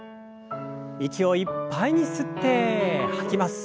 息をいっぱいに吸って吐きます。